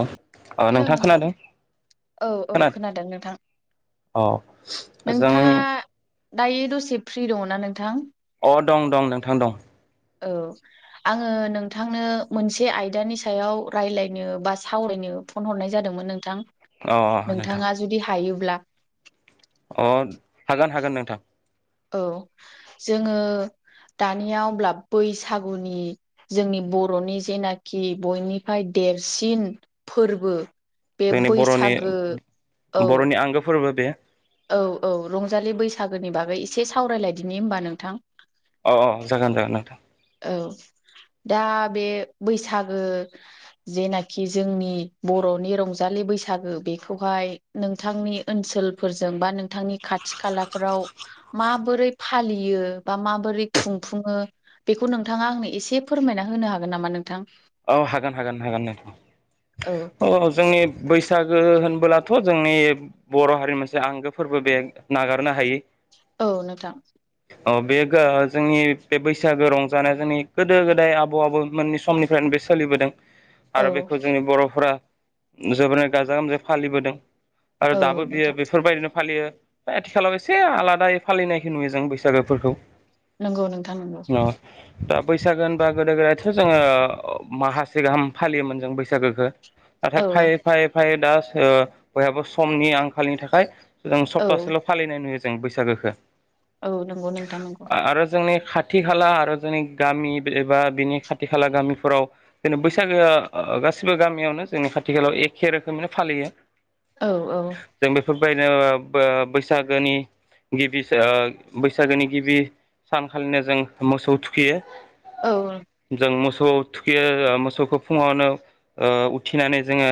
औ हेलौ नोंथाङा नोंथां खोनादों? औ औ खोना खोनादों नोंथां अ जों नोंथाङा दायो दसे फ्रि दङना नोंथां? अ दं दं नोंथां दं। औ आङो नोंथांनो मोनसे आयदानि सायाव रायलाय नो बा सावरायनो फन हरनाय जादोंमोन नोंथां अ नोंथां नोंथाङा जुदि हायो ला अ हागोन हागोन नोंथां। औ जोङो दानिया अब्ला बैसागुनि जोंनि बर'नि जेनाखि बयनिफ्राय देरसिन फोरबो बे जोंनि बर'नि बैसागो औ बर'नि आंगो फोरबो बे औ औ रंजालि बैसागोनि बागै एसे सावरायलायदिनि होमबा नोंथां। अ औ जागोन जागोन नोंथां। औ दा बे बैसागो जेनाखि जोंनि बर'नि रंजालि बैसागो बेखौहाय नोंथांनि ओनसोलफोरजों बा नोंथांनि खाथि खालाफोराव माबोरै फालियो बा माबोरै खुंफुङो बेखौ नोंथाङा आंनो एसे फोरमायना होनो हागोन नामा नोंथां। औ हागोन हागोन हागोनथ' औ जोंनि बैसागो होनबोलाथ' जोंनि बर' हारिनि मोनसे आंगो फोरबो बे नागारनो हायो। औ नोंथां। अ बे जोंनि बे बैसागो रंजानाया जोंनि गोदो गोदाय आबौ आबौमोननि समनि बे सोलिबोदों औ आरो बेखौ जोंनि बर'फोरा जोबोरैनो गाजा गोमजायै फालिबोदों आरो औ दाबो बियो नोंथां बेफोरबायदिनो फालियो आथिखालाव एसे आलादायै फालिनायखौ नुयो जों बैसागोफोरखौ नंगौ नोंथां नंगौ। दा बैसागो होनबा गोदो गोदायथ' जोङो मासे गाहाम फालियोमोन जों बैसागोखौ। नाथाय औ फायै फायै फायै दा बयहाबो समनि आंखालनि थाखाय जों औ सप्तासेल' फालिनाय नुयो जों बैसागोखौ। औ नंगौ नोंथां नंगौ। आरो जोंनि खाथि खाला आर'जना गामि एबा बिनि खाथि खाला गामि फोराव जों बैसागो गासिबो गामियावनो जोंनि खाथि खायालाव एखे रोखोमैनो फालियो। औ औ जों बेफोरबायदिनो बैसागोनि गिबि बैसागोनि गिबि सानखालिनो जों मोसौ थुखियो। औ जों मोसौ थुखैयो मोसौखौ फुङावनो उथि थिनानै जोङो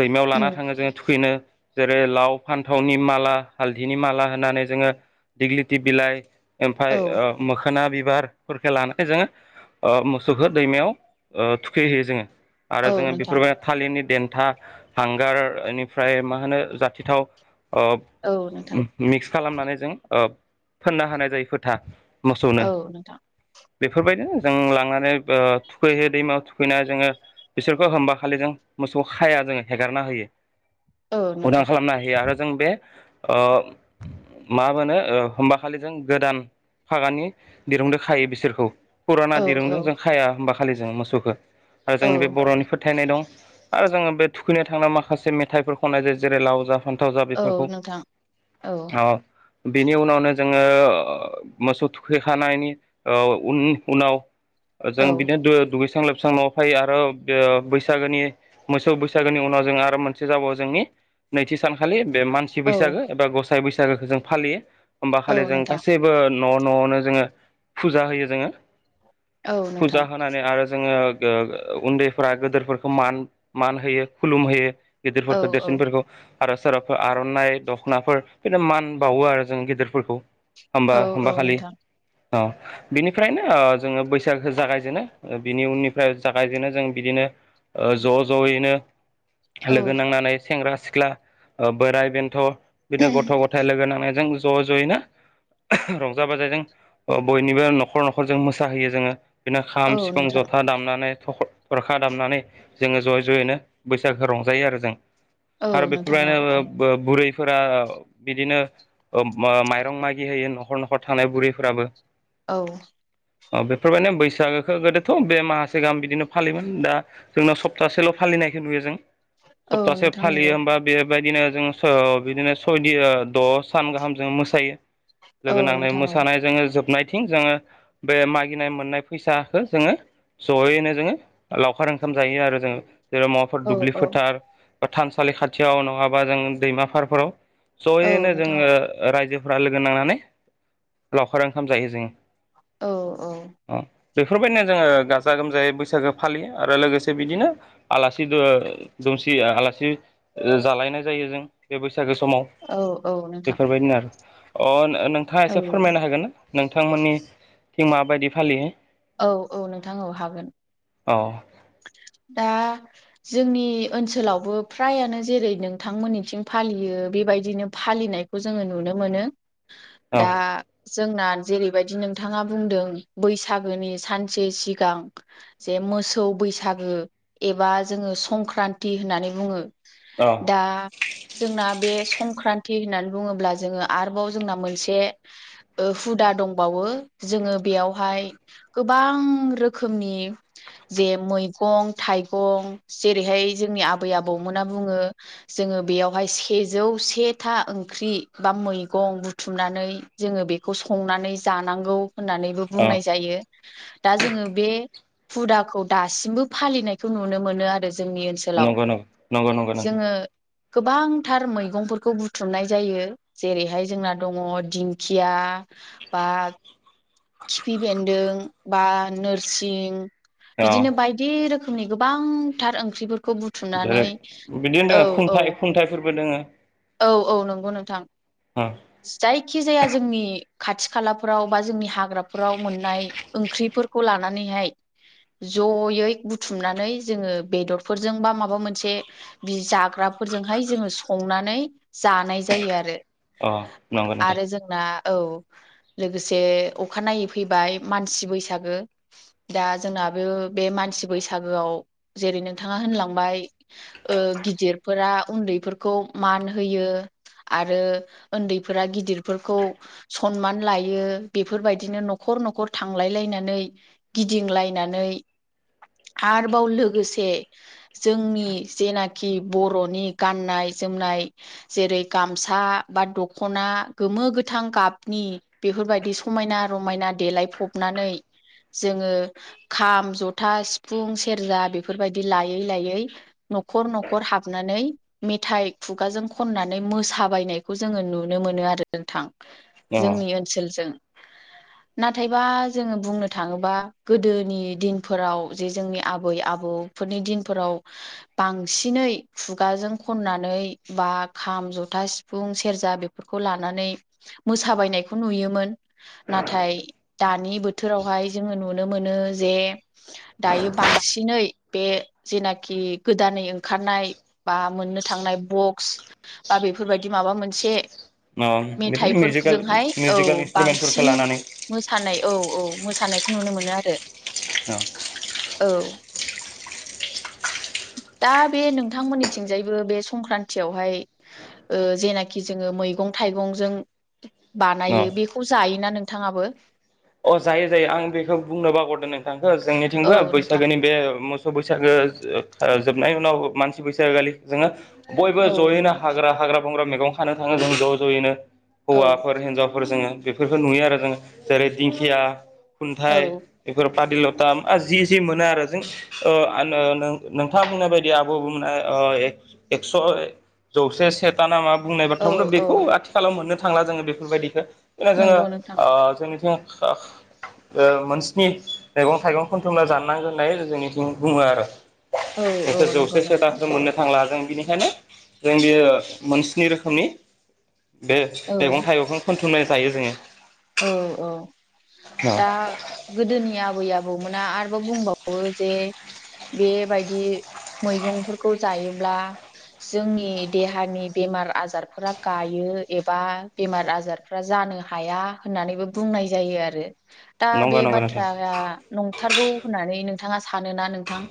दैमायाव लाना उम थाङो जोङो थुखैनो जेरै लाव फान्थावनि माला हालदैनि माला होनानै जोङो दिगलिथि बिलाइ ओमफ्राय औ ओ मोखोना बिबारफोरखौ लानानै जोङो मोसौखौ दैमायाव ओ थुखैहैयो जोङो आरो औ जोङो आरो जों नोंथां बेफोर थालिरनि था हांगार इनिफ्राय मा होनो जाथि थाव ओ औ नोंथां मिक्स खालामनानै जों ओ फोननो हानाय जायो फोथा। मोसौनो औ नोंथां। बेफोरबायदिनो जों लांनानै ओ थुखैहैयो। दैमायाव थुखैनानै जोङो बिसोरखौ होमबा खालि जों मोसौ खाया जोङो हेगारना होयो औ उदां नोंथां खालामना होयो आरो जों बे ओ मा होनो ओ होनबाखलि जों गोदान फागानि दिरुंदो खायो बिसोरखौ। पुराना औ दिरुंदों औ जों खाया होमबा खालि जों मोसौखौ आरो औ जोंनि बे बर'नि फोथायनाय दं आरो जोङो बे थुखैनो थांना माखासे मेथाइफोर खननाय जायो जेरै लाव जा फान्थाव जा औ बेफोरखौ। नोंथां औ ओ बिनि उनावनो जोङो मोसौ थुखैखांनायनि ओ उन उनाव जों औ। बिदिनो दुगैस्रां लोबस्रां नआव फायो आरो बैसागोनि मोसौ बैसागोनि उनाव जों आरो मोनसे जाबावो जोंनि नैथि सानखालि बे मानसि औ बैसागो एबा गसाइ बैसागोखौ जों फालियो होमबा औ खालि जों नोंथां गासैबो न' न'आवनो जोङो फुजा होयो जोङो। औ फुजा नोंथां। होनानै आरो जोङो उन्दैफोरा गोदोरफोरखौ मान होयो खुलुम होयो औ गिदिरफोरखौ औ देरसिनफोरखौ आरो सोरबाफोर आर'नाइ दख'नाफोर बिदिनो मान बाउवो आरो जों गिदिरफोरखौ। औ होमबा औ होमबा खालि नोंथां औ बेनिफ्रायनो ओ जोङो बैसागोखौ जागायजेनो। ओ बिनि उननिफ्राय जागायजेनो जों बिदिनो ओ ज' ज'यैनो औ लोगो नांनानै सेंग्रा सिख्ला ओ बोराय बेन्थ' बिदिनो गथ' गथाय लोगो नांनायजों ज' ज'यैनो रंजा बाजाजों बयनिबो न'खर न'खर जों मोसाहैयो जोङो औ खाम, सिफुं, नोंथां जथा दामनानै थख' थरखा दामनानै जोङो ज'यै ज'यैनो बैसागोखो रंजायो आरो जों। औ आरो नोंथां औ औ [unintelligible] बुरै फोरा बिदिनो ओ माइरं मागि होयो न'खर न'खर थानाय बुरैफोराबो। औ। अ बेफोरबायदिनो बैसागो खौ गोदोथ' बे माहासे गाहाम बिदिनो फालिबोदोंमोन दा जोंनाव सप्तासेल' फालिनायखौ नुयो जों। औ सप्तासे नोंथां नंगौ फालियो होमबा बेबायदिनो जों स बिदिनो सयदि द' सान गाहाम जों मोसायो। औ लोगो नांनाय नोंथां औ मोसानाय जोङो जोबनायथिं जोङो बे मागिनाय मोननाय फैसा खौ जोङो जयैनो जोङो लावखार ओंखाम जायो आरो जोङो जेरै माबाफोर औ दुब्लि औ फोथार बा थानसालि खाथियाव नङाबा जों दैमा फारफोराव औ जयैनो नोंथां जोङो औ रायजोफ्रा लोगो नांनानै लावखार ओंखाम जायो जोङो। औ औ। अ बेफोरबायदिनो जोङो गाजा गोमजायै बैसागो फालियो आरो लोगोसे बिदिनो आलासि दु ओ दुमसि आलासि जालायनाय जायो जों बे बोसोर बैसागो समाव औ औ नोंथां बेफोरबायदिनो आरो। अ नो-नोंथाङा औ एसे फोरमायनो हागोन ना नोंथांमोननिथिं माबायदि फालियो? औ औ नोंथां औ हागोन। औ दा जोंनि ओनसोलावबो फ्रायानो जेरै नोंथांमोननिथिं फालियो बेबायदिनो फालिनाय खौ जोङो नुनो मोनो। औ दा जोंना जेरैबायदि नोंथाङा बुंदों बै सागोनि सानसे सिगां जे मोसौ बैसागो एबा जोङो संक्रान्ति होननानै बुङो औ दा जोंना बे संक्रान्ति होननानै बुङोब्ला जोङो आरोबाव जोंना मोनसे ओ हुदा दंबावो जोङो बेयावहाय गोबां रोखोमनि जे मैगं-थाइगं जेरैहाय जोंनि आबै आबौमोना बुङो जोङो बेयावहाय सेजौ से था ओंख्रि बा मैगं बुथुमनानै जोङो बेखौ संनानै जानांगौ होननानैबो औ बुंनाय जायो। दा जोङो बे हुदाखौ दासिमबो फालिनायखौ नुनो मोनो आरो जों- जोंनि ओनसोलाव। नंगौ नंगौ नंगौ नंगौ नंगौ जोङो गोबांथार मैगंफोरखौ बुथुमनाय जायो जेरैहाय जोंना दङ दिंखिया, बा खिफि बेन्दों बा नोरसिं औ बिदिनो बायदि रोखो खोमनि गोबांथार ओंख्रिफोर खौ बुथुमनानै जेरै बिदिनो औ दोङो औ।। खुंथाइ खुंथाइफोरबो दोङो औ औ नंगौ नोंथां। अ जायखि जाया जोंनि खाथि खालाफोराव बा जोंनि हाग्राफोराव मोननाय ओंख्रिफोरखौ लानानैहाय जयै बुथुमनानै जोङो बेदरफोरजों बा माबा मोनसे बि जाग्रा ना फोरजोंहाय जोङो संनानै जानाय जायो आरो। अ नंगौ नोंथां। आरो जोंना औ। लोगोसे अखानायै फैबाय मानसि बैसागो दा जोंना बे मानसि बैसागोआव जेरै नोंथाङा होनलांबाय ओ गिदिरफोरा उन्दैफोर खौ मान होयो। आरो उन्दैफोरा गिदिरफोरखौ सनमान लायो। बेफोरबायदिनो न'खर न'खर थांलायलाय नानै गिदिंलायनानै। आरोबाव लोगोसे जोंनि जेनाखि बर'नि गाननाय जोमनाय जेरै- गामसा, बा दख'ना गोमो-गोथां गाबनि बेफोरबायदि समायना-रमायना देलायफबना नैै जोङो खाम, जथा, सिफुं, सेरजा बेफोरबायदि लायै- लायै न'खर न'खर हाबनानै मेथाइ खुगाजों खननानै मोसाबायनाय खौ जोङो नुनो मोनो आरो नोंथां अ जोंनि ओनसोलजों। नाथायबा जोङो बुंनो थाङोबा गोदोनि दिनफोराव जे जोंनि आबै- आबौ फोरनि दिनफोराव बांसिनै खुगाजों खननानै बा खाम, जथा, सि फुं, सेरजा बेफोरखौ लानानै मोसाबायनायखौ नुयोमोन नाथाय दा दानि बोथोरावहाय जोङो नुनो मोनो जे दायो बांसिनै बे जेनाखि गोदानै ओंखारनाय बा मोननो थांनाय बक्स बा बेफोरबायदि माबा मोनसे अ बिदिनो मिउजिकेल मेथाइफोरजोंहाय औ मिउजिकेल इन्सट्रुमेन्टफोरखौ बांसिन लानानै मोसानाय औ औ मोसानायखौ नुनो मोनो आरो। औ। औ दा बे नोंथांमोननि थिंजायबो बे संक्रान्तियावहाय ओ जेनाखि जोङो मैगं थाइगंजों अ बानायो बेखौ जायोना नों थाङाबो? अ जायो जायो आं बेखौ बुंनो बावगारदों नोंथांखौ औ जोंनिथिंबो नोंथां बैसागोनि बे मोसौ बैसागो जोबनायनि उनाव मानसि बैसागोखालि जोङो बयबो औ जयैनो नोंथां हाग्रा हाग्रा बंग्रा मे गं खानो थाङो जों ज' ज'यैनो औ हौवाफोर हिनजावफोर जोङो बेफोरखौ नुयो आरो जों जेरै दिंखिया, औ खुन्थाइ बेफोर पादिलथा जि जि मोनो आरो जों ओ नोंथाङा बुंनाय बायदि आबै आबौमोना। एकस' जौसे सेेता ना मा बुंनाय औ बाथ्रा बुं औ बेखौ आथिखालाव मोननो थांला जोङो बेफोरबायदिखौ जेना नंगौ नोंथां जोङो जोंनिथिं [inaudible] मोनस्नि मैगं-थाइगं खनथुमना जानांगोन होननानै जोंनिथिं बुङो आरो। औ बेखौ औ जौसे नंगौ नोंथां सेथाखौ मोननो थांला जों बेनिखायनो जों बेयो मोनस्नि रोखोमनि बे औ मैगं थाइगंं खोन थुमबायना जायो जोङो औ औ दा गोदोनि आबै आ बौमोना आरोबाव बुंबावो जे बेबायदि मैगंफोरखौ जायोब्ला जोंनि देहानि बेमार- आजारफोरा गायो। एबा बेमार आजारफ्रा जानो हाया। होननानैबो बुंनाय जायो आरो दा बे नंगौ नंगौ नोंथां बाथ्राया नंथारगौ होननानै नोंथाङा सानो ना नोंथां?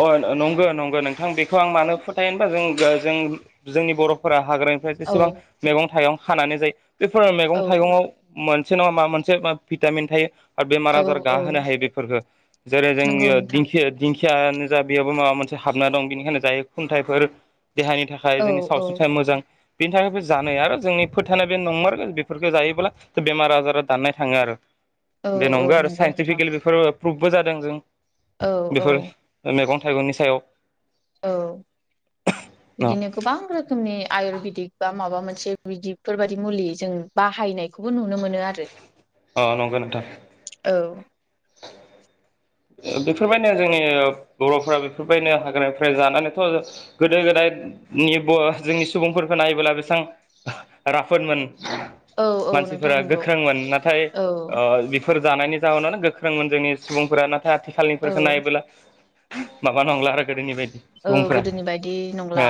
अ नंगौ नंगौ नोंथां बेखौ आं मानो फोथायो होनबा जों जों जोंनि बर'फोरा हाग्रानिफ्राय जेसेबां औ मैगं-थाइगं खानानै जायो बेफोर मैगं औ थाइगंआव मोन से नङा माबा मोनसे भिटामिन थायो औ बेमार-आजार गाहोनो औ हायो बेफोरखौ जेरै जों नंगौ नोंथां दिं खियानो जा बेयावबो माबा मोनसे हाबना दं बेनिखायनो जायो खुन्थाइफोर देहानि थाखाय औ जोंनि औ सावस्रिनि थाखाय मोजां बेनि थाखायबो जानाय आरो जोंनि फोथायनाय बे नंमारगौ बेफोरखौ जायोब्ला बेमार आजारा दाननाय थाङो आरो। औ बे औ नंगौ आरो नोंथां साइन्टिफिकेलि बेफोर प्रुभबो जादों जों। औ औ। बेफोर मैगं थाइगंनि सायाव औ अ बिदिनो गोबां रोखोमनि आयुरवेदिक बा माबा मोनसे बिफोरबायदि मुलि जों बाहायनाय बे खौबो नुनो मोनो आरो नंगौ नोंथां औ। बेफोरबायदिनो जोंनि बर'फोरा बेफोरबायदिनो हाग्रानिफ्राय जानानैथ' गोदो गोदाय नि जोंनि सुबुंफोरखौ नायोब्ला बेसेबां राफोदमोन। औ औ नोंथां मानसिफोरा नंगौ गोख्रोंमोन नाथाय औ बेफोर जानायनि जाहोनावानो गोख्रोंमोन जोंनि सुबुंफोरा नाथ औ आथिखालनिफोरखौ नायोबोला माबा नंला आरो गोदोनि बायदि औ सुबुंफोरा। गोदोनि बायदि नंला औ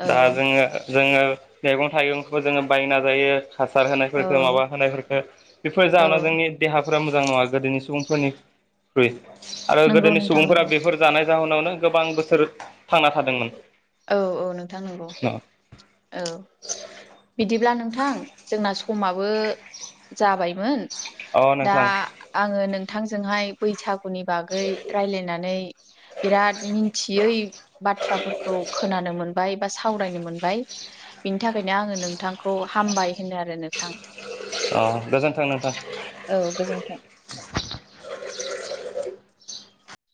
औ दा जोङो जोङो मैगं थाइगंखौबो जोङो बायना जायो। हासार औ होनायफोरफोरखो माबा होनायफोरफोरखो बेफोर औ जाहोनाव जोंनि देहा फोर मोजां नङा गोदोनि सुबुंफोरनि ख्रुय आरो नंगौ गोदोनि नोंथां सुबुंफोरा नंगौ बेफोर जानाय जाहोनावनो गोबां बोसोर थांना थादोंमोन। औ औ नोंथां नंगौ औ बिदिब्ला नोंथां जोंना समाबो जाबायमोन अ दा नोंथां आङो नों बिथांजोंहाय बैसागु नि बागै रायलायनानै बिराद मिथियै बाथ्राफोरख खौ खोनानो मोनबाय। बा सावरायनो मोनबाय बिनि थाखायनो आङो नोंथांखौ हामबाय होनो आरो नोंथां। अ गोजोन्थों नोंथां। औ गोजोन्थों